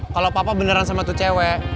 kalau papa beneran sama tuh cewek